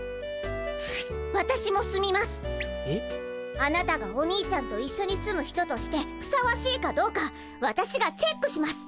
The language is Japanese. あなたがお兄ちゃんと一緒に住む人としてふさわしいかどうかわたしがチェックします！